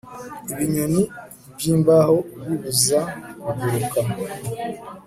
Ibinyoni byimbaho bibuza kuguruka